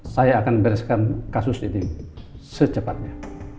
saya akan bereskan kasus ini secepatnya